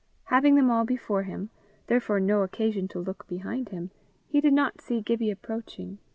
Having them all before him, therefore no occasion to look behind, he did not see Gibbie approaching.